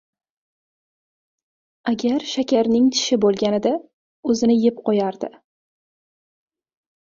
• Agar shakarning tishi bo‘lganida o‘zini yeb qo‘yardi.